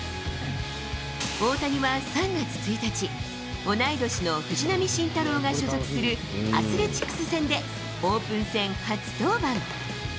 大谷は３月１日、同い年の藤浪晋太郎が所属するアスレチックス戦でオープン戦初登板。